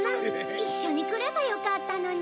一緒に来ればよかったのに。